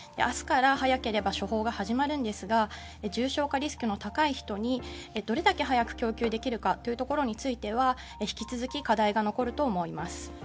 明日から早ければ処方が始まるんですが重症化リスクの高い人にどれだけ早く供給できるかというところについては引き続き課題が残ると思います。